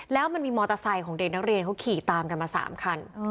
แล้วมันมีมอเตอร์ไซค์ของเด็กนักเรียนเขาขี่ตามกันมา๓คัน